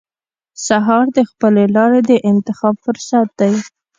سهار د خپلې لارې د انتخاب فرصت دی.